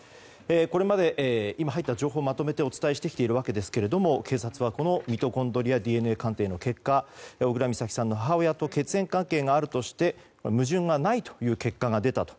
これまで今入った情報をまとめてお伝えしてきているわけですが警察はミトコンドリアＤＮＡ鑑定の結果小倉美咲さんの母親と血縁関係があるとして矛盾がないという結果が出たと。